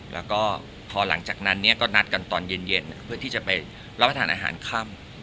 แล้วก็พอหลังจากนั้นก็นัดกันตอนเย็นเพื่อที่จะไปรับประทานอาหารค่ำ